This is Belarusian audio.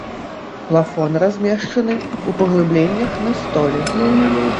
Плафоны размешчаны ў паглыбленнях на столі.